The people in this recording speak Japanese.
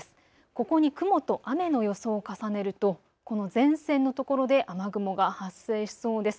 ここに雲と雨の予想を重ねるとこの前線の所で雨雲が発生しそうです。